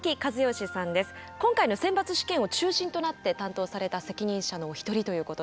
今回の選抜試験を中心となって担当された責任者のお一人ということで。